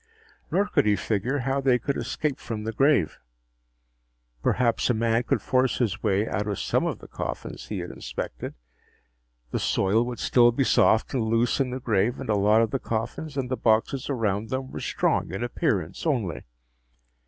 Nor could he figure how they could escape from the grave. Perhaps a man could force his way out of some of the coffins he had inspected. The soil would still be soft and loose in the grave and a lot of the coffins and the boxes around them were strong in appearance only.